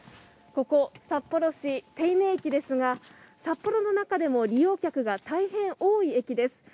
ここ、札幌市手稲駅ですが、札幌の中でも利用客が大変多い駅です。